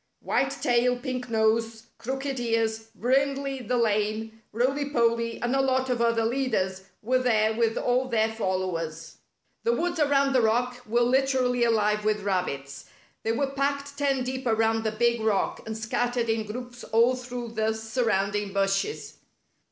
White Tail, Pink Nose, Crooked Ears, Brindley the Lame, Roily Polly and a lot of other leaders were there with all their followers. The woods around the rock were literally alive with rabbits. They were packed ten deep around the big rock, and scattered in groups all through the sur rounding bushes.